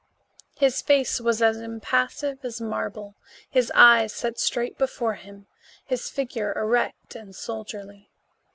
His face was as impassive as marble, his eyes set straight before him, his figure erect and soldierly.